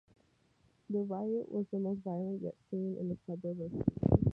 The riot was the most violent yet seen in a suburb in Sweden.